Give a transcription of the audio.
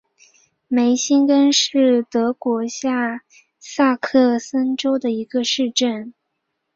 梅辛根是德国下萨克森州的一个市镇。